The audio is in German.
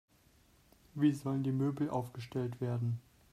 Wie sollen die Möbel aufgestellt werden?